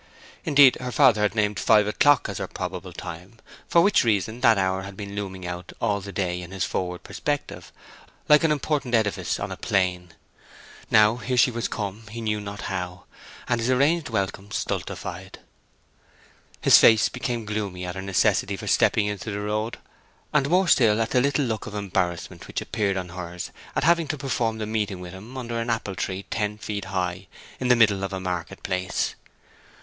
Indeed, her father had named five o'clock as her probable time, for which reason that hour had been looming out all the day in his forward perspective, like an important edifice on a plain. Now here she was come, he knew not how, and his arranged welcome stultified. His face became gloomy at her necessity for stepping into the road, and more still at the little look of embarrassment which appeared on hers at having to perform the meeting with him under an apple tree ten feet high in the middle of the market place.